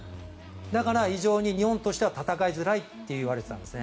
だから非常に日本としては戦いづらいと言われていたんです。